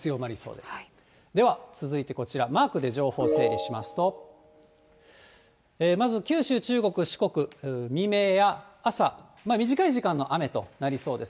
では続いてこちら、マークで情報を整理しますと、まず九州、中国、四国、未明や朝、短い時間の雨となりそうです。